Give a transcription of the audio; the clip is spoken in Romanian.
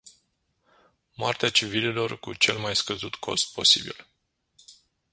Moartea civililor cu cel mai scăzut cost posibil.